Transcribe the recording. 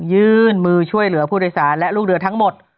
ยื่นมือช่วยเหลือผู้โดยสารและลูกเรือทั้งหมด